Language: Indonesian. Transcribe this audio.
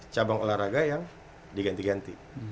cabang olahraga yang diganti ganti